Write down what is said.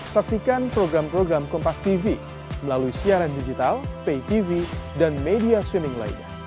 saksikan program program kompastv melalui siaran digital paytv dan media streaming lainnya